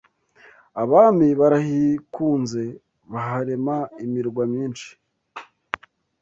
abami barahikunze baharema imirwa myinshi